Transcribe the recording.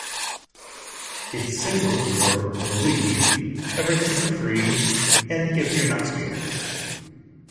Its singles were "Believe", "Everything for Free", and "If You're Not Scared".